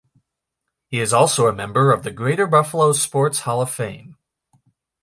He is also a member of the Greater Buffalo Sports Hall of Fame.